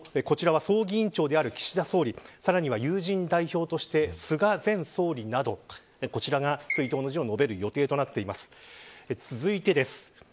さらには追悼の辞ですけれどもこちらは葬儀委員長である岸田総理さらには友人代表として菅前総理などこちらが、追悼の辞を述べる予定となっています。